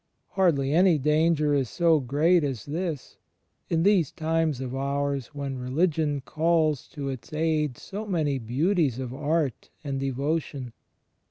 Hardly any danger is so great as this, in these times of ours when religion calls to its aid so many beauties of art and devotion.